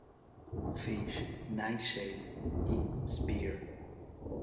Fish, Nightshade, y Spear.